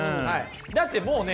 だってもうね